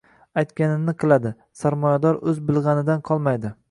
Aytg‘anini qiladi, sarmoyador o‘z bilg‘anidan qolmaydi